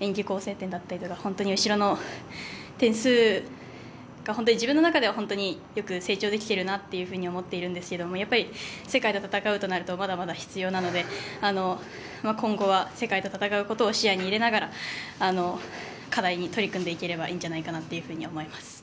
演技構成点だったりとか本当に後ろの点数が自分の中ではよく成長できているなと思っているんですけどもやっぱり世界と戦うとなるとまだまだ必要なので、今後は世界と戦うことを視野に入れながら課題に取り組んでいければいいんじゃないかなと思います。